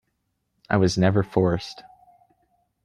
I was never forced.